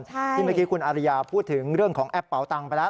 ที่เมื่อกี้คุณอาริยาพูดถึงเรื่องของแอปเป่าตังค์ไปแล้ว